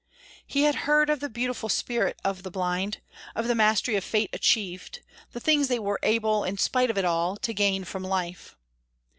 He had heard of the beautiful spirit of the blind, of the mastery of fate achieved, the things they were able, in spite of it all, to gain from life.